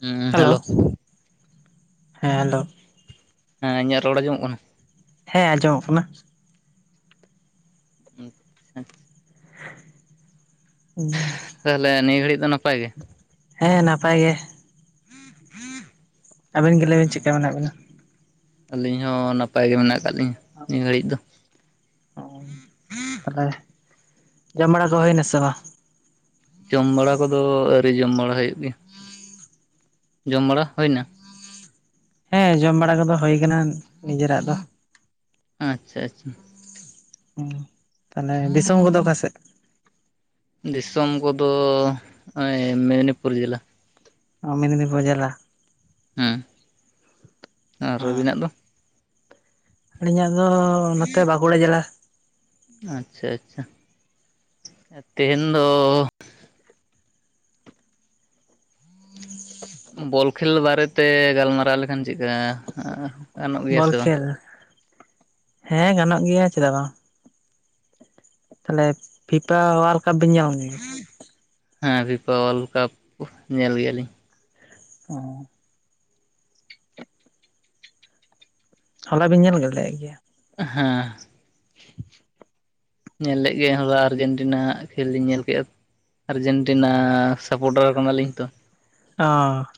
ᱦᱮᱸ ᱦᱮᱞᱳ᱾ ᱦᱮᱸ ᱦᱮᱞᱳ᱾ ᱦᱮᱸ ᱤᱧᱟᱹᱜ ᱨᱚᱲᱹ ᱟᱸᱡᱚᱢᱚᱼᱜ ᱠᱟᱱᱟ᱾ ᱦᱮᱸ ᱟᱸᱡᱚᱢᱚᱼᱜ ᱠᱟᱱᱟ᱾ [unintelligible] ᱚ [inaudible] ᱛᱟᱦᱚᱸᱞᱮ ᱱᱤᱭᱟᱹ ᱜᱷᱟᱹᱲᱤᱡ ᱫᱚ ᱱᱟᱯᱟᱼᱭ ᱜᱮ? ᱦᱮᱸ ᱱᱟᱯᱟᱼᱭ ᱜᱮ᱾ ᱟᱹᱵᱤᱱ ᱜᱮ ᱞᱟᱹᱭᱵᱤᱱ ᱪᱤᱠᱟ ᱢᱮᱱᱟᱼᱜ ᱵᱤᱱᱟ? ᱟᱹᱞᱤᱧ ᱦᱚᱸ ᱱᱟᱯᱟᱼᱭ ᱜᱮ ᱢᱮᱱᱟᱼᱜ ᱠᱟᱜ ᱞᱤᱧ ᱱᱤᱭᱟᱹ ᱜᱷᱟᱹᱲᱤᱡ ᱫᱚ᱾ ᱚ ᱛᱟᱦᱚᱸᱞᱮ ᱡᱚᱢ ᱵᱟᱹᱲᱟ ᱠᱚ ᱦᱩᱭ ᱱᱟᱹ ᱥᱮ ᱵᱟᱝ? ᱡᱚᱢ ᱵᱟᱹᱲᱟ ᱠᱚᱫᱚᱹ ᱟᱹᱨᱤ ᱡᱚᱢ ᱵᱟᱹᱲᱟ ᱦᱩᱭᱩᱼᱜ ᱜᱮ-ᱭᱟ ᱡᱚᱢ ᱵᱟᱹᱲᱟ ᱦᱩᱭᱹᱱᱟ? ᱦᱮᱸ ᱡᱚᱢ ᱵᱟᱹᱲᱟ ᱠᱚᱫᱚᱹ ᱦ ᱟᱠᱟᱱᱟ ᱱᱤᱡᱮᱨᱟᱜ ᱫᱚ᱾ ᱟᱼᱪᱷᱟ ᱟᱼᱪᱷᱟ᱾ ᱦᱩᱸ, ᱛᱟᱦᱚᱞᱮ, ᱫᱤᱥᱚᱢ ᱠᱚᱫᱚ ᱚᱠᱟᱹ ᱥᱮᱫ? ᱫᱤᱥᱚᱢ ᱠᱚᱫᱚ, ᱱᱚᱜᱼᱚᱭ ᱢᱮᱫᱽᱱᱤᱯᱩᱨ ᱡᱮᱞᱟ ᱾ ᱚᱼ, ᱢᱤᱫᱽᱱᱤᱯᱩᱨ ᱡᱤᱞᱟ ᱾ ᱦᱮᱸ, ᱟᱨ ᱟᱹᱵᱤᱱᱟᱜ ᱫᱚ? ᱟᱹᱞᱤᱧᱟᱜ ᱫᱚ, ᱱᱚᱛᱮ ᱵᱟᱸᱠᱩᱲᱟ ᱡᱮᱞᱟ ᱾ ᱟᱼᱪᱷᱟ ᱟᱪᱷᱟ, ᱛᱮᱦᱮᱧᱸ ᱫᱚ, ᱵᱚᱞ ᱠᱷᱮᱞ, ᱵᱟᱨᱮᱛᱮ ᱜᱟᱞᱢᱟᱨᱟᱼᱣ ᱞᱮᱠᱷᱟᱱ ᱪᱮᱠᱟᱜᱼᱟ? ᱦᱟᱸ ᱾ ᱵᱚᱞ ᱠᱷᱮᱞ, ᱦᱮᱸ, ᱜᱟᱱᱚᱼᱜ ᱜᱮᱭᱟ ᱪᱮᱫᱟᱜ ᱵᱟᱝ? ᱛᱟᱦᱚᱞᱮ, ᱯᱷᱤᱯᱟ ᱚᱣᱟᱨᱞᱰ ᱠᱟᱯ, ᱵᱮᱱ ᱧᱮᱞ ᱜᱮᱭᱟ ᱾ ᱦᱮᱸ, ᱯᱷᱤᱯᱟ ᱚᱳᱣᱟᱨᱞᱰ ᱠᱟᱯ ᱧᱮᱞ ᱜᱮᱭᱟ ᱞᱤᱧ ᱾ ᱚᱼᱦᱚᱸ ᱾ ᱦᱚᱞᱟ ᱵᱤᱱ ᱧᱮᱞ ᱜᱮᱫ ᱞᱮᱜ ᱜᱮᱭᱟ ᱾ ᱦᱮᱸᱻ ᱾ ᱧᱮᱞ ᱞᱮᱫ ᱜᱮᱭᱟ, ᱟᱨᱡᱮᱱᱴᱤᱱᱟ ᱦᱟᱜ ᱠᱷᱮᱞ ᱤᱧ ᱧᱮᱞ ᱠᱮᱜᱼᱟ ᱾ ᱟᱨᱡᱮᱱᱴᱤᱱᱟ ᱥᱟᱯᱳᱴᱟᱨ, ᱠᱟᱱᱟ ᱞᱤᱧ ᱛᱚ ᱾ ᱟᱸᱻ ᱾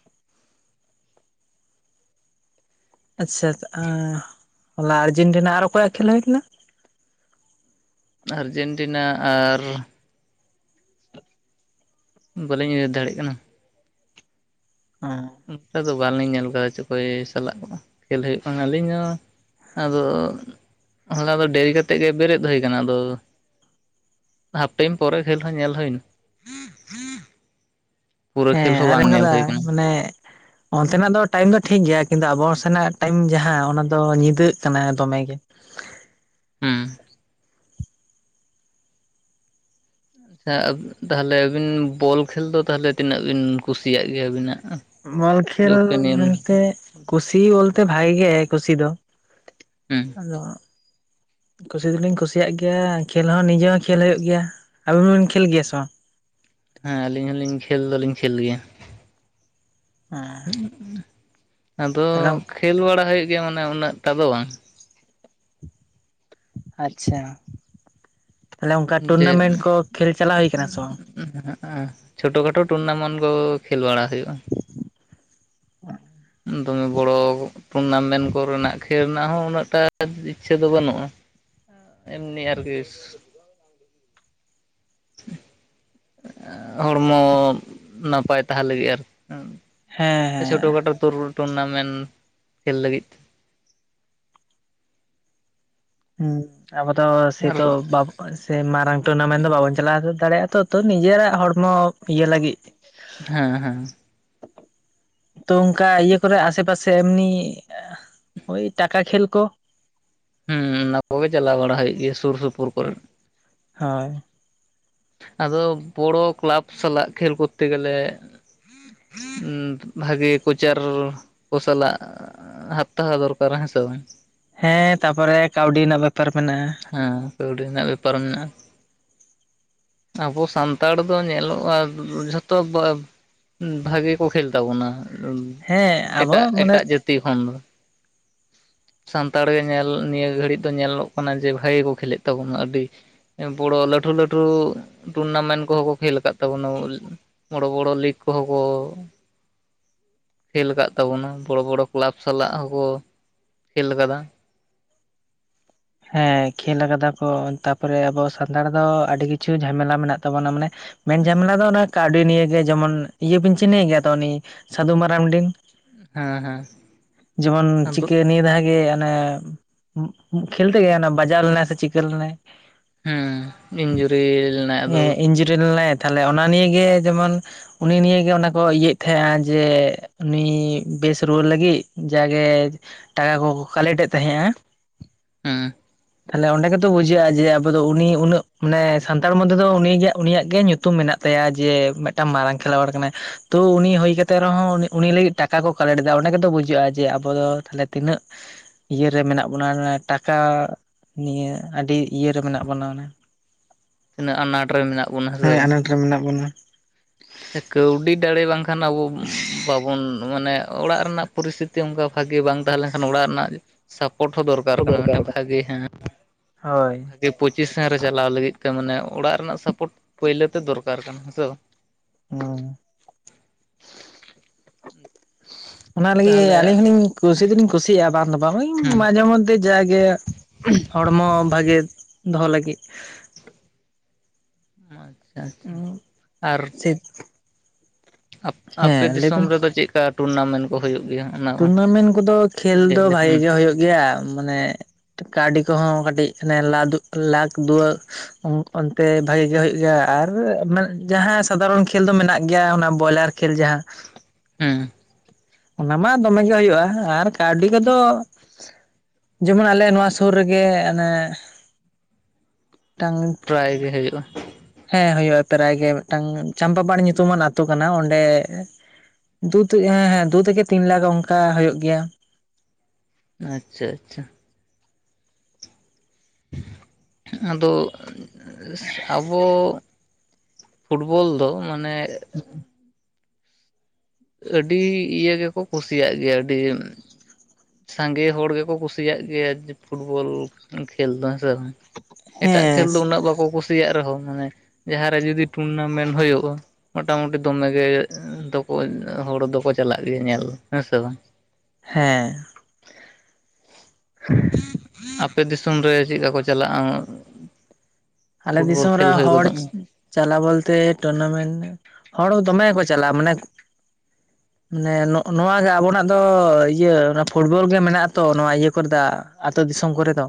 ᱟᱪᱪᱷᱟ, ᱛᱟ ᱟᱸ ᱦᱚᱞᱟ ᱟᱨᱡᱮᱱᱴᱤᱱᱟ ᱟᱨ ᱚᱠᱚᱭᱟᱜ ᱠᱷᱮᱞ ᱦᱩᱭ ᱞᱮᱱᱟ? ᱟᱨᱡᱮᱱᱴᱤᱱᱟ ᱟᱨ ᱵᱟᱹᱞᱤᱧ ᱩᱭᱦᱟᱹᱨ ᱫᱟᱲᱮᱜ ᱠᱟᱱᱟ ᱾ ᱟᱸᱻ ᱾ ᱚᱱᱠᱟ ᱫᱚ, ᱵᱟᱝ ᱞᱤᱧ ᱧᱮᱞ ᱟᱠᱟᱫᱟ ᱪᱚ, ᱚᱼᱠᱚᱭ ᱥᱟᱞᱟᱜ ᱠᱚ, [unintelligible] ᱠᱷᱮᱞ ᱦᱩᱭᱩᱜ ᱠᱟᱱᱟ ᱾ ᱟᱹᱞᱤᱧ ᱦᱚᱸ ᱾ ᱟᱼᱫᱚ, ᱦᱚᱞᱟ ᱫᱚ ᱰᱮᱨᱤ ᱠᱟᱹᱛᱮᱫ ᱜᱮ ᱵᱮᱨᱮᱫ ᱦᱩᱭᱟᱠᱟᱱᱟ, ᱟᱫᱚ᱾ ᱦᱟᱯ ᱴᱟᱭᱤᱢ ᱯᱚᱨᱮ ᱠᱷᱮᱞ, ᱦᱚᱸ ᱧᱮᱞ ᱦᱩᱭᱮᱱᱟ ᱾ [unintelligible] ᱯᱩᱨᱟᱹ ᱠᱷᱮᱞ ᱦᱮᱸ ᱦᱚᱸ ᱟᱨ ᱵᱟᱝ? ᱧᱮᱞ ᱠᱟᱫᱟ ᱦᱩᱭ ᱟᱠᱟᱱᱟ ᱾ ᱢᱟᱱᱮ ᱚᱱᱛᱮᱱᱟᱜ ᱫᱚ ᱴᱟᱭᱤᱢ ᱫᱚ ᱴᱷᱤᱠ ᱜᱮᱭᱟ, ᱠᱤᱱᱛᱩ ᱟᱵᱚ ᱥᱮᱱᱟᱜ ᱴᱟᱭᱤᱢ, ᱡᱟᱦᱟᱸ ᱚᱱᱟ ᱫᱚ, ᱧᱤᱫᱟᱹᱜ ᱠᱟᱱᱟ ᱫᱚᱢᱮ ᱜᱮ ᱾ ᱦᱮᱸ ᱾ ᱟᱪᱷᱟ, ᱛᱟᱦᱚᱞᱮ ᱟᱵᱤᱱ ᱵᱚᱞ ᱠᱷᱮᱞ ᱫᱚ, ᱛᱟᱦᱚᱞᱮ ᱛᱤᱱᱟᱹᱜ? ᱵᱤᱱ ᱠᱩᱥᱤᱭᱟᱜ ᱜᱮᱭᱟ, ᱟᱵᱤᱱᱟᱜ? ᱵᱚᱞ ᱠᱷᱮᱞ ᱢᱮᱱᱛᱮ, ᱠᱩᱥᱤ ᱵᱚᱞᱛᱮ ᱵᱷᱟᱜᱤ ᱜᱮ ᱠᱩᱥᱤ ᱫᱚ ᱾ ᱦᱮᱸ᱾ ᱟᱫᱚ᱾ [unintelligible] ᱠᱩᱥᱤ ᱫᱚᱞᱤᱸᱧ ᱠᱩᱥᱤᱭᱟᱜ ᱜᱮᱭᱟ ᱾ ᱠᱷᱮᱞ ᱦᱚᱸ ᱱᱤᱡᱮ ᱦᱚᱸ, ᱠᱷᱮᱞ ᱦᱩᱭᱩᱜ ᱜᱮᱭᱟ᱾ ᱟᱵᱤᱱ ᱦᱚᱸᱵᱮᱱ, ᱠᱷᱮᱞ ᱜᱮᱭᱟ ᱥᱮ ᱵᱟᱝ? ᱦᱮᱸᱻ, ᱟᱹᱞᱤᱧ ᱦᱚᱸᱞᱤᱧ ᱠᱷᱮᱞ, ᱫᱚᱞᱤᱧ ᱠᱷᱮᱞ ᱜᱮᱭᱟ ᱾ ᱦᱮᱸ [inaudible] ᱟᱫᱚ ᱛᱟᱦᱞᱮ ᱠᱷᱮᱞ ᱵᱟᱲᱟ ᱦᱩᱭᱩᱜ ᱜᱮᱭᱟ᱾ ᱢᱟᱱᱮ, ᱩᱱᱟᱹᱜ ᱛᱟ ᱫᱚ ᱵᱟᱝ? ᱟᱪᱪᱷᱟ, ᱛᱟᱦᱞᱮ ᱚᱱᱠᱟ, ᱡᱮ ᱴᱩᱨᱱᱟᱢᱮᱱᱴ ᱠᱚ ᱠᱷᱮᱞ ᱪᱟᱞᱟᱣ, ᱦᱩᱭ ᱟᱠᱟᱱᱟ ᱥᱮ ᱵᱟᱝ? [inaudible] ᱪᱷᱳᱴᱳ ᱠᱷᱚᱴᱳ, ᱴᱩᱨᱱᱟᱢᱮᱱᱴ ᱠᱚ ᱠᱷᱮᱞ ᱵᱟᱲᱟ ᱦᱩᱭᱩᱜᱼᱟ ᱾ ᱫᱚᱢᱮ ᱵᱚᱲᱚ ᱴᱩᱨᱱᱟᱢᱮᱱᱴ ᱠᱚᱨᱮᱱᱟᱜ, ᱠᱷᱮᱞ ᱨᱮᱱᱟᱜ ᱦᱚᱸ, ᱩᱱᱟᱹᱜ ᱴᱟ, ᱤᱪᱪᱷᱟᱹ ᱫᱚ ᱵᱟᱹᱱᱩᱜᱼᱟ ᱾ [inaudible] ᱮᱢᱱᱤ ᱟᱨᱠᱤ [unintelligible] [inaudible] ᱟᱸᱦᱼᱦᱚᱲᱢᱚ ᱱᱟᱯᱟᱭ ᱛᱟᱦᱮᱸᱱ ᱞᱟᱹᱜᱤᱫ, ᱟᱨᱠᱤ ᱾ ᱦᱮᱸ ᱪᱷᱳᱴᱳ ᱦᱮᱸ ᱠᱷᱟᱴᱳ ᱴᱩᱨ ᱴᱩᱨᱱᱟᱢᱮᱱᱴ ᱠᱷᱮᱞ ᱞᱟᱹᱜᱤᱫ ᱾ ᱦᱩᱸ, ᱟᱵᱚ ᱫᱚ ᱟᱨ ᱥᱮᱛᱚ ᱵᱟᱵ ᱥᱮᱭ, ᱢᱟᱨᱟᱝ ᱴᱩᱨᱱᱟᱢᱮᱱᱴ ᱫᱚ ᱵᱟᱵᱚᱱ, ᱪᱟᱞᱟᱣ ᱫᱟᱲᱮᱭᱟᱜᱼᱟ ᱾ ᱛᱚ, ᱛᱚ ᱱᱤᱡᱮᱨᱟᱜ ᱦᱚᱲᱢᱚ ᱤᱭᱟᱹ ᱞᱟᱹᱜᱤᱫ ᱾ ᱦᱮᱸ ᱦᱮᱸᱻ ᱾ ᱛᱚ, ᱚᱱᱠᱟ ᱤᱭᱟᱹ ᱠᱚᱨᱮ, ᱟᱥᱮ ᱯᱟᱥᱮ ᱮᱢᱱᱤ ᱳᱭ ᱴᱟᱠᱟ ᱠᱷᱮᱞ ᱠᱚ? ᱦᱩᱸᱻ, ᱚᱱᱟ ᱠᱚᱜᱮ ᱪᱟᱞᱟᱣ ᱵᱟᱲᱟ ᱦᱩᱭᱩᱜ ᱜᱮᱭᱟ ᱾ᱥᱩᱨ ᱥᱩᱯᱩᱨ ᱠᱚᱨᱮ ᱾ ᱦᱳᱭ ᱾ ᱟᱫᱚ, ᱵᱚᱲᱚ ᱠᱞᱟᱵᱽ ᱥᱟᱞᱟᱜ ᱠᱷᱮᱞ ᱠᱚᱨᱛᱮ ᱜᱮᱞᱮ ᱦᱩᱸᱻ, ᱵᱷᱟᱜᱮ, ᱠᱚᱪᱟᱨ ᱠᱚ ᱥᱟᱞᱟᱜ ᱟᱼ ᱦᱟᱛ ᱛᱟᱦᱮᱸ ᱫᱚᱨᱠᱟᱨ, ᱦᱮᱸᱥᱮ ᱵᱟᱝ? ᱦᱮᱸᱻ, ᱛᱟᱯᱚᱨᱮ ᱠᱟᱹᱣᱰᱤ ᱨᱮᱱᱟᱜ, ᱵᱮᱯᱟᱨ ᱢᱮᱱᱟᱜᱼᱟ ᱾ ᱦᱮᱸ ᱠᱟᱹᱣᱰᱤ ᱨᱮᱱᱟᱜ ᱵᱮᱯᱟᱨ ᱢᱮᱱᱟᱜᱼᱟ ᱟᱵᱚ ᱥᱟᱱᱛᱟᱲ ᱫᱚ ᱧᱮᱞᱚᱜᱼᱟ ᱡᱷᱚᱛᱚ ᱵᱷᱟᱜᱮ ᱠᱚ ᱠᱷᱮᱞ ᱛᱟᱵᱚᱸᱱᱟ ᱦᱮᱸ ᱟᱵᱚ ᱮᱴᱟᱜ ᱢᱟᱱᱮ ᱮᱴᱟᱜ ᱡᱟᱹᱛᱤ ᱠᱷᱚᱱ ᱫᱚ, ᱥᱟᱱᱛᱟᱲ ᱜᱮ ᱧᱮᱞ ᱱᱤᱭᱟᱹ ᱜᱷᱟᱹᱲᱤᱡ ᱫᱚ ᱧᱮᱞᱚᱜ ᱠᱟᱱᱟ ᱡᱮ ᱵᱷᱟᱜᱮ ᱠᱚ ᱠᱷᱮᱞᱮᱫ ᱛᱟᱵᱚᱱᱟ ᱟᱹᱰᱤ, ᱵᱚᱲᱚ ᱞᱟᱹᱴᱷᱩ ᱞᱟᱹᱴᱷᱩ ᱴᱩᱨᱱᱟᱢᱮᱱᱴ ᱠᱚᱦᱚᱸ ᱠᱚ ᱠᱷᱮᱞ ᱟᱠᱟᱫ ᱛᱟᱵᱚᱱᱟ ᱵᱳᱞ, ᱵᱚᱲᱚ ᱵᱚᱲᱚ ᱞᱤᱜᱽ ᱠᱚᱦᱚᱸ ᱠᱚ, ᱠᱷᱮᱞ ᱟᱠᱟᱫ ᱛᱟᱵᱚᱱᱟ ᱵᱚᱲᱚ ᱵᱚᱲᱚ ᱠᱮᱞᱟᱯ ᱥᱟᱞᱟᱜ ᱦᱚᱸᱠᱚ, ᱠᱷᱮᱞ ᱟᱠᱟᱫᱟ, ᱦᱮᱸ ᱠᱷᱮᱞ ᱟᱠᱟᱫᱟ ᱠᱚ ᱛᱟᱯᱚᱨᱮ ᱟᱵᱚ ᱥᱟᱱᱛᱟᱲ ᱫᱚ ᱟᱹᱰᱤ ᱠᱤᱪᱷᱩ ᱡᱷᱟᱢᱮᱞᱟ ᱢᱮᱱᱟᱜ, ᱛᱟᱵᱚᱱᱟ ᱢᱟᱱᱮ ᱢᱮᱱ ᱡᱷᱟᱢᱮᱞᱟ ᱫᱚ ᱚᱱᱮ ᱠᱟᱹᱣᱰᱤ ᱱᱤᱭᱮ ᱡᱮᱢᱚᱱ ᱤᱭᱟᱹ ᱵᱤᱱ ᱪᱤᱱᱦᱟᱹᱭ ᱜᱮᱭᱟ ᱛᱚ ᱩᱱᱤ ᱥᱟᱫᱩ ᱢᱟᱨᱟᱱᱰᱤ, ᱦᱮᱸ ᱦᱮᱸ ᱡᱮᱢᱚᱱ ᱟᱫᱚ ᱪᱤᱠᱟᱹ ᱱᱤᱭᱟᱹ ᱫᱷᱟᱦᱟ ᱜᱮ ᱚᱱᱮ ᱠᱷᱮᱞ ᱛᱮᱜᱮ ᱚᱱᱮ ᱵᱟᱡᱟᱣ ᱞᱮᱱᱟᱭ ᱥᱮ ᱪᱤᱠᱟᱹ ᱞᱮᱱᱟᱭ, ᱦᱮᱸ ᱤᱧᱡᱩᱨᱤ ᱞᱮᱱᱟᱭ ᱦᱮᱸ ᱟᱫᱚ ᱤᱧᱡᱩᱨᱤ ᱞᱮᱱᱟᱭ ᱛᱷᱟᱞᱮ ᱚᱱᱟ ᱱᱤᱭᱮ ᱜᱮ ᱡᱮᱢᱚᱱ- ᱩᱱᱤ ᱱᱤᱭᱟᱹ ᱜᱮ ᱚᱱᱟ ᱠᱚ ᱤᱭᱟᱹᱭᱮᱫ ᱛᱟᱦᱮᱸᱜ-ᱟ ᱡᱮ ᱩᱱᱤ ᱵᱮᱥ ᱨᱩᱣᱟᱹᱲ ᱞᱟᱹᱜᱤᱫ ᱡᱟᱜᱮ ᱴᱟᱠᱟ ᱠᱚᱠᱚ ᱠᱟᱞᱮᱠᱴ ᱮᱫ ᱛᱟᱦᱮᱸᱜᱼᱟ, ᱦᱩᱸ ᱛᱟᱦᱚᱞᱮ ᱚᱸᱰᱮ ᱜᱮᱛᱚ ᱵᱩᱡᱷᱟᱹᱜᱼᱟ ᱡᱮ ᱟᱵᱚ ᱫᱚ ᱩᱱᱤ ᱩᱱᱟᱹᱜ ᱢᱟᱱᱮ ᱥᱟᱱᱛᱟᱲ ᱢᱚᱫᱽᱫᱷᱮ ᱫᱚ ᱩᱱᱤ ᱜᱮ ᱩᱱᱤᱭᱟᱹᱜ ᱜᱮ ᱧᱩᱛᱩᱢ ᱢᱮᱱᱟᱜ, ᱛᱟᱭᱟ ᱡᱮ ᱢᱤᱫᱴᱟᱝ ᱢᱟᱨᱟᱝ ᱠᱷᱮᱞᱳᱣᱟᱲ ᱠᱟᱱᱟᱭ ᱛᱚ ᱩᱱᱤ ᱦᱩᱭ ᱠᱟᱛᱮ ᱨᱮᱦᱚᱸ ᱩᱱᱤ ᱞᱟᱹᱜᱤᱫ, ᱴᱟᱠᱟ ᱠᱚ ᱠᱟᱞᱮᱠᱴ ᱮᱫᱟ ᱚᱸᱰᱮ ᱜᱮᱛᱚ ᱵᱩᱡᱷᱟᱹᱜᱼᱟ ᱡᱮ ᱟᱵᱚ ᱫᱚ ᱛᱟᱷᱞᱮ ᱛᱤᱱᱟᱹᱜ, ᱤᱭᱟᱹ ᱨᱮ ᱢᱮᱱᱟᱜ ᱵᱚᱱᱟ ᱴᱟᱠᱟ, ᱱᱤᱭᱟᱹ ᱟᱹᱰᱤ ᱤᱭᱟᱹᱨᱮ ᱢᱮᱱᱟᱜ ᱵᱚᱱᱟ ᱚᱱᱮ, ᱛᱤᱱᱟᱹᱜ ᱟᱱᱟᱴ ᱨᱮ ᱢᱮᱱᱟᱜ ᱵᱚᱱᱟ ᱦᱮᱸ ᱥᱮ ᱵᱟᱝ, ᱨᱮ ᱢᱮᱱᱟᱜ ᱵᱚᱱᱟ, ᱥᱮ ᱠᱟᱹᱣᱰᱤ ᱫᱟᱲᱮ ᱵᱟᱝᱠᱷᱟᱱ ᱟᱵᱚ ᱵᱟᱵᱚᱱ ᱢᱟᱱᱮ, ᱚᱲᱟᱜ ᱨᱮᱱᱟᱜ ᱯᱚᱨᱤᱥᱛᱷᱤᱛᱤ ᱚᱱᱠᱟ ᱵᱷᱟᱹᱜᱮ ᱵᱟᱝ ᱛᱟᱦᱮᱸ ᱞᱮᱱᱠᱷᱟᱱ ᱚᱲᱟᱜ ᱨᱮᱱᱟᱜ, ᱥᱟᱯᱳᱨᱴ ᱦᱚᱸ ᱫᱚᱨᱠᱟᱨ ᱠᱟᱱᱟ ᱢᱤᱫᱴᱮᱜ ᱵᱷᱟᱹᱜᱤ ᱦᱟᱸᱜ ᱦᱳᱭ ᱯᱚᱸᱪᱤ ᱥᱮᱱ ᱨᱮ ᱪᱟᱞᱟᱣ ᱞᱟᱹᱜᱤᱫ ᱛᱮ ᱢᱟᱱᱮ ᱚᱲᱟᱜ ᱨᱮᱱᱟᱜ ᱥᱟᱯᱳᱴ ᱯᱳᱭᱞᱳ ᱛᱮ ᱫᱚᱨᱠᱟᱨ ᱠᱟᱱᱟ ᱦᱮᱸᱥᱮ ᱵᱟᱝ, ᱦᱩᱸ [unintelligible] ᱚᱱᱟ ᱞᱟᱹᱜᱤᱫ ᱛᱟᱦᱚᱞᱮ ᱟᱹᱞᱤᱧ ᱦᱚᱸᱞᱤᱧ ᱠᱩᱥᱤ ᱫᱚ ᱞᱤᱧ ᱠᱩᱥᱤᱭᱟᱜᱼᱟ ᱵᱟᱝ ᱫᱚ ᱵᱟᱝ ᱦᱮᱸ ᱢᱟᱡᱷᱮ ᱢᱚᱫᱽᱷᱮ ᱡᱟ ᱜᱮ ᱦᱚᱲᱢᱚ ᱵᱷᱟᱜᱮ ᱫᱚᱦᱚ ᱞᱟᱹᱜᱤᱫ, ᱟᱪᱪᱷᱟ ᱟᱪᱪᱷᱟ ᱟᱨ, [unintelligible] ᱟᱯᱮ ᱦᱮᱸ ᱫᱤᱥᱚᱢ ᱞᱟᱹᱭᱵᱤᱱ ᱨᱮᱫᱚ ᱪᱮᱫ ᱠᱟ ᱴᱩᱨᱱᱟ ᱢᱮᱱᱴ ᱠᱚ ᱦᱳᱭᱳᱜ ᱜᱮᱭᱟ, ᱚᱱᱟ ᱴᱩᱨᱱᱟ ᱢᱮᱱᱴ ᱠᱚᱫᱚ ᱠᱷᱮᱞ ᱞᱟᱹᱭ ᱫᱚ ᱵᱷᱟᱜᱮ ᱞᱮᱠᱷᱟᱱ ᱜᱮ ᱦᱳᱭᱳᱜ ᱜᱮᱭᱟ ᱢᱟᱱᱮ, ᱠᱟᱹᱣᱰᱤ ᱠᱚᱦᱚᱸ ᱠᱟᱹᱴᱤ ᱦᱟᱱᱮ- [unintelligible] ᱚᱱᱛᱮ ᱵᱷᱟᱜᱮ ᱜᱮ ᱦᱳᱭᱳᱜ ᱜᱮᱭᱟ ᱟᱨ ᱡᱟᱦᱟ‌ᱸ ᱥᱟᱫᱷᱟᱨᱚᱱ ᱠᱷᱮᱞ ᱫᱚ ᱢᱮᱱᱟᱜ ᱜᱮᱭᱟ ᱚᱱᱟ ᱵᱚᱭᱞᱟᱨ ᱠᱷᱮᱞ ᱡᱟᱦᱟᱸ ᱦᱩᱸ ᱚᱱᱟ ᱢᱟ ᱫᱚᱢᱮ ᱜᱮ ᱦᱳᱭᱳᱜᱼᱟ ᱟᱨ ᱠᱟᱹᱣᱰᱤ ᱠᱚᱫᱚ, ᱡᱮᱢᱚᱱ ᱟᱞᱮ ᱱᱚᱣᱟ ᱥᱳᱨ ᱨᱮᱜᱮ ᱚᱱᱮ, ᱢᱤᱫ ᱴᱟᱝ ᱯᱨᱟᱭ ᱜᱮ ᱦᱳᱭᱳᱜᱼᱟ, ᱦᱮᱸ ᱦᱳᱭᱳᱜᱼᱟ ᱯᱨᱟᱭ ᱜᱮ ᱢᱤᱫ ᱴᱟᱝ ᱪᱟᱢᱯᱟᱯᱟᱲ ᱧᱩᱛᱩᱢᱟᱱ ᱟᱛᱳ ᱠᱟᱱᱟ ᱚᱸᱰᱮ, ᱫᱩ ᱛᱮ ᱦᱮᱸ ᱦᱮᱸ ᱫᱩ ᱛᱷᱮᱠᱮ ᱛᱤᱱ ᱞᱟᱠᱷ ᱚᱱᱠᱟ ᱦᱳᱭᱳᱜ ᱜᱮᱭᱟ, ᱟᱪᱪᱷᱟ ᱟᱪᱪᱷᱟ, ᱟᱫᱚ ᱟᱵᱚ, ᱯᱷᱩᱴᱵᱚᱞ ᱫᱚ ᱢᱟᱱᱮ, [inaudible] ᱟᱹᱰᱤ ᱤᱭᱟᱹ ᱜᱮ ᱠᱚ ᱠᱩᱥᱤᱭᱟᱜ ᱜᱮᱭᱟ ᱟᱹᱰᱤ ᱥᱟᱸᱜᱮ ᱦᱚᱲ ᱜᱮ ᱠᱚ ᱠᱩᱥᱤᱭᱟᱜ ᱜᱮᱭᱟ, ᱪᱮᱹ ᱩᱸ 'ᱯᱷᱩᱴᱵᱚᱞ' ᱠᱷᱮᱞ ᱫᱚ ᱦᱮᱸ ᱥᱮ ᱵᱟᱝ! ᱮᱴᱟᱜ ᱠᱷᱮᱞ ᱦᱮᱸ ᱫᱚ ᱩᱱᱟᱹᱜ ᱵᱟ ᱠᱚ ᱠᱩᱥᱤᱭᱟᱜ ᱨᱮᱦᱚ, ᱢᱟᱱᱮ ᱡᱟᱦᱟ ᱨᱮ ᱡᱩᱫᱤ ᱴᱩᱱᱱᱟ ᱢᱮᱱ ᱦᱳᱭᱳᱜᱼᱟ, ᱢᱚᱴᱟ-ᱢᱩᱴᱤ ᱫᱚᱢᱮ ᱜᱮ ᱮᱸ ᱫᱚᱠᱚ, ᱚᱸ ᱦᱚᱲ ᱫᱚᱠᱚ ᱪᱟᱞᱟᱜ ᱜᱮᱭᱟ ᱧᱮᱞ ᱦᱮᱸ ᱥᱮ ᱵᱟᱝ! ᱦᱮᱸ, [inaudible] ᱟᱯᱮ ᱫᱤᱥᱚᱢ ᱨᱮ ᱪᱮᱜ ᱠᱟ ᱠᱚ ᱪᱟᱞᱟᱜᱼᱟ? ᱚᱸ ᱟᱞᱮ ᱫᱤᱥᱚᱢ ᱨᱮ ᱦᱚᱲ ᱪᱟᱞᱟᱣ ᱵᱚᱞ ᱛᱮ ᱴᱩᱱᱱᱟ ᱢᱮᱱ ᱦᱚᱲ ᱫᱚᱢᱮ ᱠᱚ ᱪᱟᱞᱟᱜᱼᱟ, ᱢᱟᱱᱮ [inaudible] ᱢᱟᱱᱮ ᱱᱚᱜ ᱱᱚᱣᱟ ᱜᱮ ᱟᱵᱚ ᱱᱟᱜ ᱫᱚ, ᱤᱭᱟᱹ ᱚᱱᱟ ᱯᱷᱩᱴᱵᱚᱞ ᱜᱮ ᱢᱮᱱᱟᱜ ᱟ ᱛᱚ, ᱱᱚᱣᱟ ᱤᱭᱟᱹ ᱠᱚᱨᱫᱟ ᱟᱛᱳ ᱫᱤᱥᱚᱢ ᱠᱚᱨᱮ ᱫᱚ,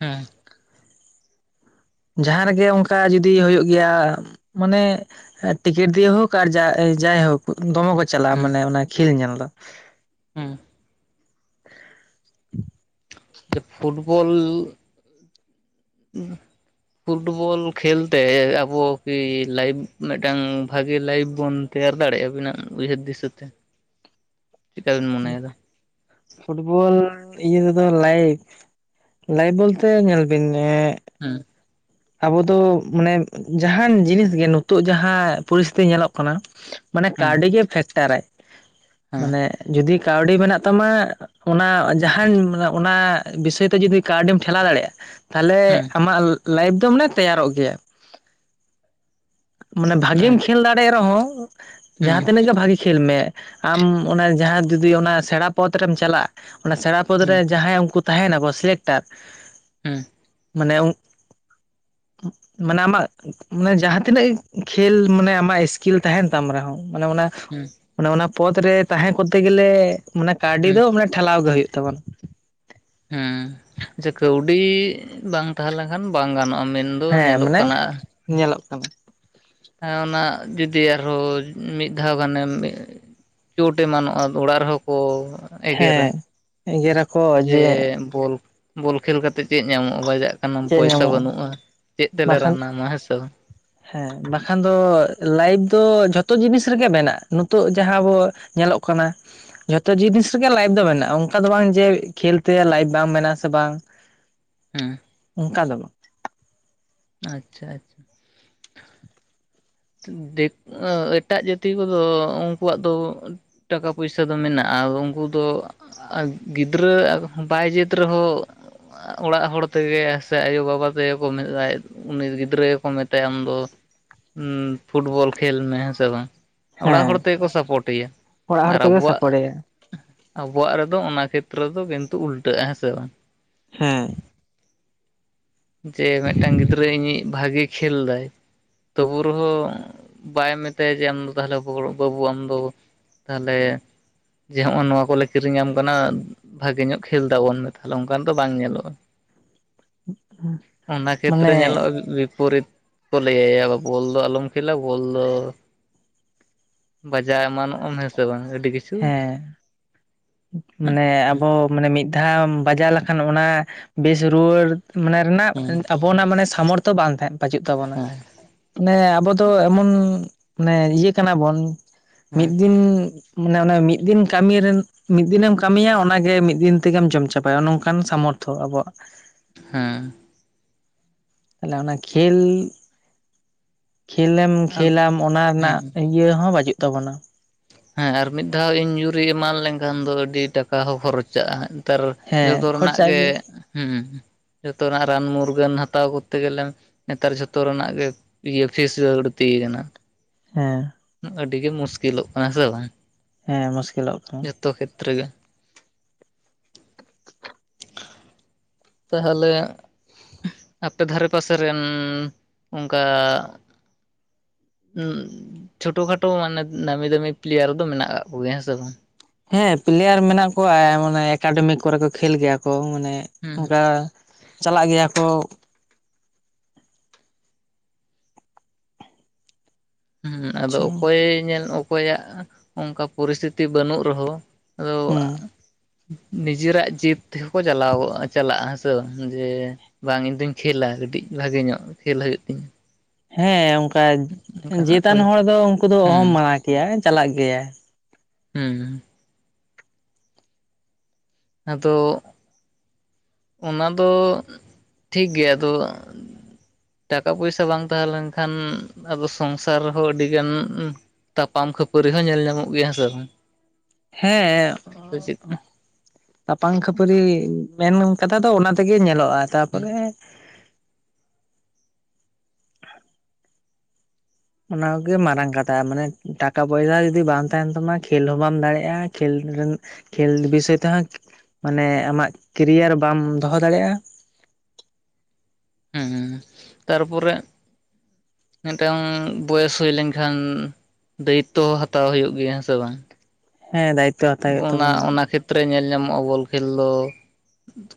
ᱮᱸ, ᱡᱟᱦᱟᱸ ᱨᱮᱜᱮ ᱚᱝᱠᱟ ᱡᱩᱫᱤ ᱦᱳᱭᱳᱜ ᱜᱮᱭᱟ, ᱢᱟᱱᱮ ᱮᱸ ᱴᱤᱠᱤᱴ ᱫᱤᱭᱮᱹ ᱦᱳᱠ ᱟᱨ ᱡᱟ ᱮᱹ ᱡᱟᱭ ᱦᱳᱠ ᱫᱚᱢᱚ ᱠᱚ ᱪᱟᱞᱟᱜᱼᱟ, ᱦᱮᱸ ᱢᱟᱱᱮ ᱚᱱᱟ ᱠᱷᱮᱹᱞ ᱧᱮᱞ ᱫᱚ᱾ ᱦᱮᱸ [inaudible] ᱡᱚ ᱯᱷᱩᱴᱵᱚᱞ ᱩᱸ ᱯᱩᱴᱵᱚᱞ ᱠᱷᱮᱹᱞ ᱛᱮ ᱟᱵᱚ ᱠᱤ ᱞᱟᱭᱤᱯᱷ ᱢᱤᱜ ᱴᱟᱝ ᱵᱷᱟᱜᱮ ᱞᱟᱭᱤᱯᱷ ᱵᱚᱱ ᱛᱮᱭᱟᱨ ᱫᱟᱲᱮ ᱟᱹᱵᱤᱱᱟᱜ ᱩᱭᱦᱟᱹᱨ ᱫᱤᱥᱟᱹᱛᱮ ᱩᱸᱠᱷ ᱯᱷᱩᱴᱵᱚᱞ ᱤᱭᱟᱹ ᱛᱮᱫᱚ ᱞᱟᱭᱤᱯᱷ ᱞᱟᱭᱤᱯᱷ ᱵᱚᱞ ᱛᱮ ᱧᱮᱞ ᱵᱤᱱ ᱱᱮᱸ ᱩᱸ, ᱟᱵᱚ ᱫᱚ ᱢᱟᱱᱮ ᱡᱟᱦᱟᱱ ᱡᱤᱱᱤᱥ ᱜᱮ, ᱱᱳᱛᱳᱜ ᱡᱟᱦᱟᱸ ᱯᱚᱨᱤᱥ ᱛᱷᱤ ᱧᱮᱞᱚᱜ ᱠᱟᱱᱟ, ᱢᱟᱱᱮ ᱦᱩᱸ ᱠᱟᱹᱣᱰᱤ ᱜᱮ ᱯᱷᱮᱠᱴᱟᱨᱟᱭ, ᱦᱮᱸ ᱢᱟᱱᱮ ᱡᱩᱫᱤ ᱠᱟᱹᱣᱰᱤ ᱢᱮᱱᱟᱜ ᱛᱟᱢᱟ ᱚᱱᱟ ᱡᱟᱦᱟᱧ ᱢᱟᱝᱮ ᱚᱱᱟ ᱵᱤᱥᱚᱭ ᱛᱮ ᱡᱩᱫᱤ ᱠᱟᱹᱣᱰᱤᱢ ᱴᱷᱮᱞᱟᱣ ᱫᱟᱲᱮᱜᱼᱟ ᱛᱷᱟᱞᱮ ᱦᱩᱸ ᱟᱢᱟᱜ ᱞᱟᱭᱤᱯᱷ ᱫᱚ ᱢᱟᱱᱮ ᱛᱮᱭᱟᱨᱚᱜ ᱜᱮᱭᱟ᱾ ᱢᱟᱱᱮ ᱵᱷᱟᱜᱮᱹᱢ ᱟᱪ ᱠᱷᱮᱹᱞ ᱫᱟᱲᱮᱜ ᱨᱮᱦᱚᱸ, ᱦᱩᱸ ᱡᱟᱦᱟ ᱛᱤᱱᱟᱹᱜ ᱜᱮ ᱵᱷᱟᱜᱤ ᱠᱷᱮᱹᱞ ᱢᱮ ᱟᱢ ᱚᱱᱟ ᱡᱟᱦᱟ ᱡᱩᱫᱤ ᱚᱱᱟ ᱥᱮᱲᱟ ᱯᱚᱫᱽ ᱨᱮᱢ ᱪᱟᱞᱟᱜ, ᱚᱱᱟ ᱥᱮᱲᱟ ᱯᱚᱫᱽ ᱨᱮ ᱦᱩᱸ ᱡᱟᱦᱟᱸᱭ ᱩᱝᱠᱩ ᱛᱟᱦᱮᱱᱟᱠᱚ ᱥᱤᱞᱮᱠᱴᱟᱨ, ᱩᱸ, ᱢᱟᱱᱮ ᱩᱸᱜ ᱢᱟᱱᱮ ᱟᱢᱟᱜ ᱢᱟᱱᱮ ᱡᱟᱦᱟ ᱛᱤᱱᱟᱹᱜ ᱠᱷᱮᱹᱞ ᱢᱟᱱᱮ ᱟᱢᱟᱜ ᱤᱥᱠᱤᱞ ᱛᱟᱦᱮᱱ ᱛᱟᱢ ᱨᱮᱦᱚᱸ, ᱢᱟᱱᱮ ᱚᱱᱟ ᱩᱸ, ᱚᱱᱮ ᱚᱱᱟ ᱯᱚᱫᱽ ᱨᱮ ᱛᱟᱦᱮᱸ ᱠᱳᱛᱛᱮᱹ ᱜᱮᱹᱞᱮᱹ, ᱢᱟᱱᱮ ᱠᱟᱣᱰᱤ ᱦᱩᱸ ᱫᱚ ᱢᱟᱱᱮ ᱴᱷᱮᱞᱟᱣ ᱜᱮ ᱦᱩᱭᱩᱜ ᱛᱟᱵᱚᱱ ᱦᱩᱸ, ᱡᱮ ᱠᱟᱹᱣᱰᱤ ᱵᱟᱝ ᱛᱟᱦᱮ ᱞᱮᱱᱠᱷᱟᱱ ᱵᱟᱝ ᱜᱟᱱᱚᱜᱼᱟ, ᱢᱮᱱ ᱦᱮᱸ, ᱢᱟᱱᱮ ᱧᱮᱞᱚᱜ ᱠᱟᱱᱟ᱾ ᱦᱮᱸ, ᱚᱱᱟ ᱡᱩᱫᱤ ᱟᱨᱦᱚ ᱩᱸ ᱢᱤᱫ ᱫᱷᱟᱣ ᱜᱟᱱᱮᱢ ᱮ ᱪᱳᱴ ᱮᱢᱟᱱᱚᱜᱼᱟ ᱚᱲᱟᱜ ᱨᱮᱦᱚ ᱠᱚ ᱮᱜᱮᱨᱟ ᱦᱮᱸ, ᱮᱜᱮᱨᱟ᱾ ᱡᱮ ᱵᱚᱞ ᱵᱚᱞ ᱠᱷᱮᱹᱞ ᱠᱟ- -ᱛᱮ ᱪᱮᱜ ᱧᱟᱢᱚᱜ ᱵᱟᱡᱟᱜ ᱠᱟᱱᱟᱢ ᱪᱮᱫ ᱯᱚᱭᱥᱟ ᱧᱟᱢᱚᱜᱼᱟ ᱵᱟᱹᱱᱩᱜᱼᱟ, ᱪᱮᱫ ᱛᱮᱞᱮ ᱨᱟᱱᱟᱢᱟ? ᱦᱮᱥᱮ, ᱮᱸ, ᱵᱟᱠᱷᱟᱱ ᱫᱚ ᱞᱟᱭᱤᱯ ᱫᱚ ᱡᱷᱚᱛᱚ ᱡᱤᱱᱤᱥ ᱨᱮᱜᱮ ᱢᱮᱱᱟᱜᱼᱟ᱾ ᱱᱳᱛᱳᱜ ᱡᱟᱦᱟᱸ ᱵᱚ ᱧᱮᱞᱚᱜ ᱠᱟᱱᱟ, ᱡᱷᱚᱛᱚ ᱡᱤᱱᱤᱥ ᱨᱮᱜᱮ ᱞᱟᱭᱤᱯᱷ ᱫᱚ ᱢᱮᱱᱟᱜᱼᱟ, ᱚᱝᱠᱟ ᱫᱚ ᱵᱟᱝ ᱡᱮ ᱠᱷᱮᱹᱞ ᱛᱮ ᱞᱟᱭᱤᱯᱷ ᱵᱟᱝ ᱢᱮᱱᱟᱜ ᱟᱥᱮ ᱵᱟᱝ! ᱦᱩᱸ, ᱚᱝᱠᱟ ᱫᱚ ᱵᱟ ᱟᱪᱪᱷᱟ ᱟᱪᱪᱷᱟ, ᱛᱷᱤ ᱫᱤ ᱟᱺ ᱮᱴᱟᱜ ᱡᱟᱹᱛᱤ ᱠᱚᱫᱚ ᱩᱝᱠᱩᱣᱟᱜ ᱫᱚ, ᱚᱱ ᱴᱟᱠᱟ ᱯᱩᱭᱥᱟᱹ ᱫᱚ ᱢᱮᱱᱟᱜᱼᱟᱣ ᱩᱝᱠᱩ ᱫᱚ ᱟ ᱜᱤᱫᱽᱨᱟᱹ ᱟᱣᱠᱷᱟᱱ ᱵᱟᱭ ᱡᱩᱫ ᱨᱮᱦᱚ ᱟ ᱚᱲᱟᱜ ᱦᱚᱲ ᱛᱮᱜᱮ ᱥᱮ ᱟᱭᱚᱼᱵᱟᱵᱟ ᱯᱮᱜᱮ ᱠᱚ [inaudible] ᱩᱱᱤ ᱜᱤᱫᱽᱨᱟᱹ ᱜᱮᱠᱚ ᱢᱮᱛᱟᱭᱟ ᱩᱱ ᱫᱚ᱾ ᱦᱩᱸ᱾ ᱯᱷᱩᱴᱵᱚᱞ ᱠᱷᱮᱹᱞ ᱢᱮ ᱦᱮᱸ ᱥᱮ ᱵᱟᱝ, ᱚᱲᱟᱜ ᱦᱮᱸ ᱦᱚᱲ ᱛᱮᱜᱮ ᱠᱚ ᱥᱟᱯᱳᱴᱮᱭᱟ ᱚᱲᱟᱜ ᱦᱚᱲ ᱟᱨ ᱛᱮᱜᱮ ᱟᱵᱚᱣᱟᱜ ᱥᱟᱯᱚᱴᱮᱭᱟ ᱟᱵᱚᱣᱟᱜ ᱨᱮᱫᱚ ᱚᱱᱟ ᱠᱷᱮᱛᱨᱚ ᱫᱚ ᱠᱤᱱᱛᱩ ᱩᱞᱴᱟᱹᱜ-ᱟ ᱦᱮᱸ ᱥᱮ ᱵᱟᱝ? ᱦᱩᱸ᱾ ᱡᱮ ᱢᱤᱫᱴᱟᱝ ᱜᱤᱫᱽᱨᱟᱹ ᱤᱧᱤᱡ ᱵᱷᱟᱜᱤ ᱠᱷᱮᱹᱞ ᱫᱟᱭᱺ ᱛᱚᱵᱩ ᱨᱮᱦᱚᱸ ᱵᱟᱭ ᱢᱮᱛᱟᱭᱟ ᱡᱮ ᱟᱢ ᱫᱚ ᱛᱟᱦᱞᱮ [unintelligible] ᱵᱟᱹᱵᱩ ᱟᱢ ᱫᱚ ᱛᱟᱦᱞᱮ ᱡᱮ, ᱦᱚᱸᱜ-ᱚ ᱱᱚᱣᱟ ᱠᱚᱞᱮ ᱠᱤᱨᱤᱧᱟᱢ ᱠᱟᱱᱟ ᱵᱷᱟᱜᱮ ᱧᱚᱜ ᱠᱷᱮᱹᱞ ᱛᱟᱵᱚᱱ ᱢᱮ ᱛᱟᱦᱞᱮ ᱚᱱᱠᱟᱱ ᱫᱚ ᱵᱟᱝ ᱧᱮᱞᱚᱜ-ᱟ᱾ ᱦᱩᱸᱜ-ᱩᱸ᱾ ᱚᱱᱟ ᱠᱷᱮᱛᱨᱮ ᱧᱮᱞᱚᱜ-ᱟ ᱵᱤᱯᱚᱨᱤᱛ᱾ ᱠᱚ ᱞᱟᱹᱭᱟ ᱵᱟᱵᱩ ᱵᱚᱞ ᱫᱚ ᱟᱞᱚᱢ ᱠᱷᱮᱹᱞᱟ ᱵᱚᱞ ᱫᱚ ᱵᱟᱡᱟ ᱮᱢᱟᱱ᱾ ᱟᱢ ᱦᱮᱸ ᱥᱮ ᱵᱟᱝ ᱟᱹᱰᱤ ᱠᱤᱪᱷᱩ᱾ ᱦᱮᱸ ᱢᱟᱱᱮ ᱟᱵᱚ ᱢᱟᱱᱮ ᱢᱤᱫ ᱫᱷᱟᱣ ᱵᱟᱡᱟᱣ ᱞᱮᱠᱷᱟᱱ ᱚᱱᱟ ᱵᱮᱥ ᱨᱩᱣᱟᱹᱲ ᱢᱟᱱᱮ ᱨᱮᱱᱟᱜ ᱦᱮᱸ ᱟᱵᱚᱱᱟᱜ ᱥᱟᱢᱚᱨᱛᱷᱚ ᱵᱟᱝ ᱛᱟᱦᱮᱸ ᱵᱟᱟᱹᱪᱩᱜ ᱛᱟᱵᱚᱱᱟ᱾ ᱦᱮᱸ ᱢᱟᱱᱮ ᱟᱵᱚ ᱫᱚ ᱮᱢᱚᱱ ᱢᱟᱱᱮ ᱤᱭᱟᱹ ᱠᱟᱱᱟ ᱵᱚᱱ ᱦᱮᱸ ᱢᱤᱫ ᱫᱤᱱ᱾ ᱢᱟᱱᱮ ᱚᱱᱟ ᱢᱤᱫ ᱫᱤᱱ ᱠᱟᱹᱢᱤ ᱨᱮᱱ ᱢᱤᱫ ᱫᱤᱱᱮᱢ ᱠᱟᱹᱢᱤᱭᱟ ᱚᱱᱟᱜᱮ ᱢᱤᱫ ᱫᱤᱱ ᱛᱮᱜᱮᱢ ᱡᱚᱢ ᱪᱟᱵᱟᱭᱟ ᱱᱚᱝᱠᱟᱱ ᱥᱟᱢᱚᱨᱛᱷᱚ ᱟᱵᱚᱣᱟᱜ᱾ ᱦᱩᱸ᱾ ᱛᱟᱦᱞᱮ ᱚᱱᱟ ᱠᱷᱮᱹᱞ, ᱠᱷᱮᱹᱞᱮᱢ ᱟᱫ ᱠᱷᱮᱹᱞᱟᱢ ᱚᱱᱟ ᱨᱮᱱᱟᱜ ᱦᱩᱸ ᱤᱭᱟᱹ ᱦᱚᱸ ᱵᱟᱪᱩᱜ ᱛᱟᱵᱚᱱᱟ᱾ ᱦᱮᱸ ᱟᱨ ᱢᱤᱫ ᱫᱷᱟᱣ ᱤᱧᱡᱩᱨᱤ ᱮᱢᱟᱱ ᱞᱮᱱᱠᱷᱟᱱ ᱫᱚ ᱟᱹᱰᱤ ᱴᱟᱠᱟ ᱦᱚᱸ ᱠᱷᱚᱨᱚᱪᱟᱜ-ᱟ᱾ ᱱᱮᱛᱟᱨ ᱦᱮᱸ ᱡᱚᱛᱚ ᱨᱮᱱᱟᱜ ᱠᱷᱚᱨᱪᱟᱜ ᱜᱮ ᱦᱩᱸ᱾ ᱡᱚᱛᱚ ᱨᱮᱱᱟᱜ ᱨᱟᱱ ᱢᱩᱨᱜᱟᱹᱱ ᱦᱟᱛᱟᱣ ᱠᱚᱛᱛᱮ ᱜᱮᱞᱮ ᱱᱮᱛᱟᱨ ᱡᱷᱚᱛᱚ ᱨᱮᱱᱟᱜ ᱜᱮ ᱤᱭᱟᱹ ᱯᱷᱤᱥ ᱵᱟᱲᱛᱤ ᱠᱟᱱᱟ᱾ ᱦᱩᱸ᱾ ᱟᱹᱰᱤᱜᱮ ᱢᱩᱥᱠᱤᱞᱚᱜ ᱠᱟᱱᱟ ᱦᱮᱸ ᱥᱮ ᱵᱟᱝ᱾ ᱦᱮᱸ ᱢᱩᱥᱠᱤᱞᱚᱜ ᱠᱟᱱᱟ᱾ ᱡᱚᱛᱚ ᱠᱷᱮᱹᱛᱨᱮᱹ ᱜᱮ᱾ ᱛᱟᱦᱚᱞᱮ ᱟᱯᱮ ᱫᱷᱟᱨᱮ ᱯᱟᱥᱮ ᱨᱮᱱ ᱚᱜᱠᱟ ᱪᱷᱳᱴᱳ ᱠᱷᱟᱴᱳ ᱢᱟᱱᱮ ᱱᱟᱢᱤ ᱫᱟᱹᱢᱤ ᱯᱞᱮᱭᱟᱨ ᱫᱚ ᱢᱮᱱᱟᱜ ᱠᱟᱜ ᱠᱚᱜᱮᱭᱟ ᱦᱮᱸ ᱥᱮ ᱵᱟᱝ? ᱦᱮᱸ ᱯᱞᱮᱭᱟᱨ ᱢᱮᱱᱟᱜ ᱠᱚᱣᱟ ᱢᱟᱱᱮ ᱮᱠᱟᱰᱮᱢᱤ ᱠᱚᱨᱮ ᱠᱚ ᱠᱷᱮᱹᱞ ᱜᱮᱭᱟ ᱠᱚ ᱢᱟᱱᱮ᱾ ᱦᱩᱸ ᱚᱝᱠᱟ ᱪᱟᱞᱟᱜ ᱜᱮᱭᱟ ᱠᱚ᱾ ᱦᱩᱸ, ᱟᱫᱚ ᱚᱠᱚᱭᱮ ᱧᱮᱞ ᱚᱠᱚᱭᱟᱜ ᱚᱝᱠᱟ ᱯᱚᱨᱤᱥᱛᱷᱤᱛᱤ ᱵᱟᱹᱱᱩᱜ ᱨᱮᱦᱚᱸ᱾ ᱦᱩᱸ [unintelligible] ᱱᱤᱡᱮᱨᱟᱜ ᱡᱮᱫᱽ ᱛᱮᱦᱚᱸ ᱠᱚ ᱪᱟᱞᱟᱣᱟ ᱪᱟᱞᱟᱜ-ᱟ ᱦᱮᱸ ᱥᱮ ᱵᱟᱝ ᱡᱮ, ᱵᱟᱝ ᱤᱧ ᱫᱩᱧ ᱠᱷᱮᱹᱞᱟ ᱠᱟᱹᱴᱤᱡ ᱵᱷᱟᱜᱮ ᱧᱚᱜ ᱠᱷᱮᱹᱞ ᱦᱩᱭᱩᱜ ᱛᱤᱧᱟᱹ᱾ ᱦᱮᱸ ᱚᱝᱠᱟ ᱚᱱᱠᱟᱱᱟᱜ ᱠᱚ ᱡᱮᱛᱟᱱ ᱦᱚᱲ ᱫᱚ ᱩᱝᱠᱩ ᱫᱚ ᱦᱩᱸ ᱚᱦᱚᱢ ᱢᱟᱱᱟ ᱠᱮᱭᱟ ᱪᱟᱞᱟᱜ ᱜᱮᱭᱟᱭ᱾ ᱦᱩᱸ᱾ ᱟᱫᱚ ᱚᱱᱟ ᱫᱚ ᱴᱷᱤᱠ ᱜᱮᱭᱟ ᱟᱫᱚ᱾ ᱴᱟᱠᱟ ᱯᱚᱭᱥᱟ ᱵᱟᱝ ᱛᱟᱦᱮᱸᱞᱮᱱᱠᱷᱟᱱ ᱟᱫᱚ ᱥᱚᱝᱥᱟᱨ ᱨᱮᱦᱚᱸ ᱟᱹᱰᱤ ᱜᱟᱱ᱾ ᱛᱟᱯᱟᱢ ᱠᱷᱟᱹᱯᱟᱹᱨᱤ ᱦᱚᱸ ᱧᱮᱞ ᱧᱟᱢᱚᱜ ᱜᱮᱭᱟ ᱦᱮᱸ ᱥᱮ ᱵᱟᱝ᱾ ᱦᱮᱸ᱾ ᱥᱮ ᱪᱮᱫ ᱛᱟᱯᱟᱝ ᱠᱷᱟᱹᱯᱟᱹᱨᱤ ᱢᱮᱱ ᱠᱟᱛᱷᱟ ᱫᱚ ᱚᱱᱟ ᱛᱮᱜᱮ ᱧᱮᱞᱚᱜ-ᱟ᱾ ᱛᱟᱯᱚᱨᱮ ᱚᱱᱟ ᱜᱮᱮ ᱢᱟᱨᱟᱝ ᱠᱟᱛᱷᱟ᱾ ᱢᱟᱱᱮ ᱴᱟᱠᱟ ᱯᱚᱭᱥᱟ ᱡᱩᱫᱤ ᱵᱟᱝ ᱛᱟᱦᱮᱱ ᱛᱟᱢᱟ ᱠᱷᱮᱹᱞ ᱦᱚᱸ ᱵᱟᱢ ᱫᱟᱲᱮᱭᱟᱜ-ᱟ᱾ ᱠᱷᱮᱹᱞ ᱨᱮᱱ ᱠᱷᱮᱹᱞ ᱵᱤᱥᱚᱭ ᱛᱮᱦᱚᱸ ᱢᱟᱱᱮ ᱟᱢᱟᱜ ᱠᱮᱨᱤᱭᱟᱨ ᱵᱟᱢ ᱫᱚᱦᱚ ᱫᱟᱲᱮᱭᱟᱜ-ᱟ᱾ ᱦᱩᱸ, ᱛᱟᱨᱯᱚᱨᱮ᱾ ᱢᱤᱫᱴᱟᱝ ᱵᱚᱭᱮᱥ ᱦᱩᱭ ᱞᱮᱱᱠᱷᱟᱱ᱾ ᱫᱟᱭᱤᱛᱛᱚ ᱦᱟᱛᱟᱣ ᱦᱩᱭᱩᱜ ᱜᱮᱭᱟ ᱦᱮᱸ ᱥᱮ ᱵᱟᱝ? ᱦᱮᱸ ᱫᱟᱭ ᱚᱱᱟ ᱚᱱᱟ ᱠᱷᱮᱛ ᱨᱮ ᱧᱮᱞ ᱧᱟᱢᱚᱜᱼᱟ ᱵᱚᱞ ᱠᱷᱮᱞ ᱫᱚᱼᱼ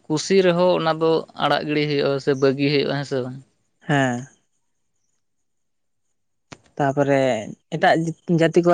ᱠᱩᱥᱤ ᱨᱮ ᱦᱚᱸ ᱚᱱᱟ ᱫᱚ ᱟᱲᱟᱜ ᱜᱤᱰᱤ ᱦᱩᱭᱩᱜᱼᱟ ᱥᱮ ᱵᱟᱹᱜᱤ ᱦᱩᱭᱩᱜᱼᱟ ᱦᱮᱸ ᱥᱮ ᱵᱟᱝ ᱦᱮᱸ ᱛᱟᱯᱚᱨᱮ ᱮᱴᱟᱜ ᱡᱟᱹᱛᱤ ᱠᱚᱣᱟᱜᱼᱼ